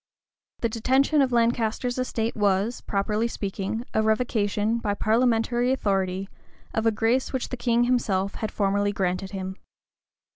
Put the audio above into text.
The detention of Lancaster's estate was, properly speaking a revocation, by parliamentary authority, of a grace which the King himself had formerly granted him.